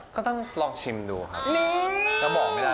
ก็ต้องลองชิมดูค่ะ